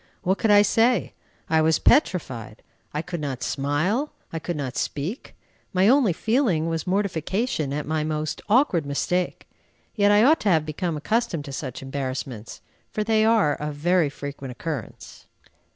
What could I say? I was petrified. I could not smile, I could not speak. My only feeling was mortification at my most awkward mistake. Yet I ought to have become accustomed to such embarrassments, for they are of very frequent occurrence.